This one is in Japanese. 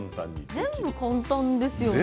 全部簡単ですよね。